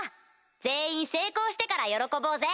全員成功してから喜ぼうぜ。